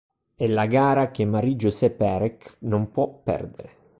È la gara che Marie-José Perec non può perdere.